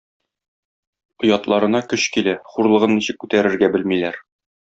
Оятларына көч килә, хурлыгын ничек күтәрергә белмиләр.